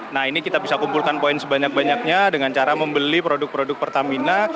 nah ini kita bisa kumpulkan poin sebanyak banyaknya dengan cara membeli produk produk pertamina